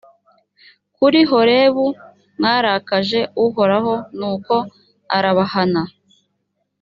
kuri horebu mwarakaje uhoraho nuko arabahana